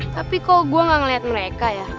tapi kok gua ga ngeliat mereka ya